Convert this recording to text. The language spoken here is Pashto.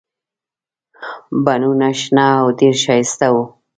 بڼونه شنه او ډېر ښایسته وو.